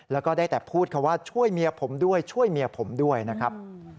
แล้วก็ได้แต่พูดคำว่าช่วยเมียผมด้วยช่วยเมียผมด้วยนะครับ